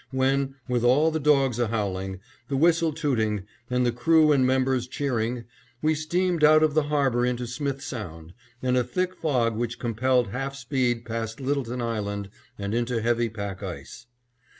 when, with all the dogs a howling, the whistle tooting, and the crew and members cheering, we steamed out of the Harbor into Smith Sound, and a thick fog which compelled half speed past Littleton Island and into heavy pack ice.